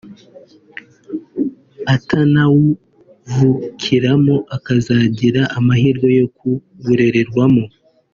atanawuvukiramo akazagira amahirwe yo kuwurererwamo